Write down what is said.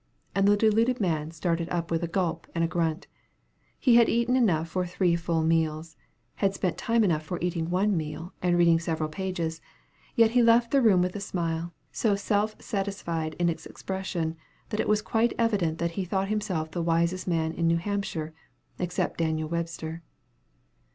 And the deluded man started up with a gulp and a grunt. He had eaten enough for three full meals, had spent time enough for eating one meal, and reading several pages; yet he left the room with a smile, so self satisfied in its expression, that it was quite evident that he thought himself the wisest man in New Hampshire, except Daniel Webster.